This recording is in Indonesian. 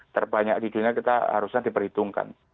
terbanyak di dunia kita harusnya diperhitungkan